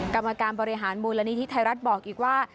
กรรมการบริหารมูลนิธิไทยรัฐบอกอีกว่า